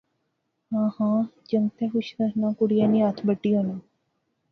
ہاں خاں، جنگتے خوش رکھنا کڑیا نی ہتھ بٹی ہونی